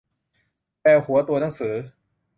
แววหัวตัวหนังสือ